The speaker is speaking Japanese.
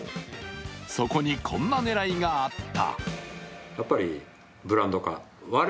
そこにこんな狙いがあった。